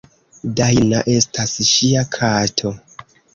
Dajna estas ŝia kato.